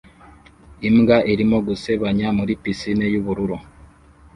imbwa irimo gusebanya muri pisine yubururu